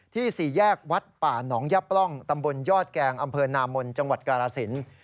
ที่สี่แยกวัดป่านองยปร่องตำบลยอดแกงอำเภอนามนจังหวัดการาศิลป์